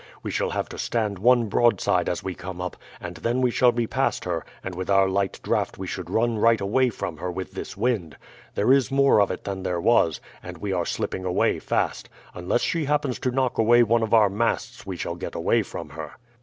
We shall have to stand one broadside as we come up, and then we shall be past her, and with our light draught we should run right away from her with this wind. There is more of it than there was, and we are slipping away fast. Unless she happens to knock away one of our masts we shall get away from her."